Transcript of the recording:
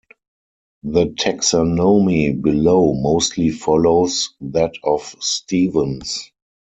The taxonomy below mostly follows that of Stevens.